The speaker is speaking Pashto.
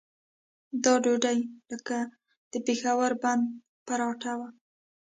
دا ډوډۍ لکه د پېښور بنده پراټه وه.